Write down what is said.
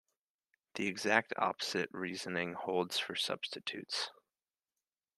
The exact opposite reasoning holds for substitutes.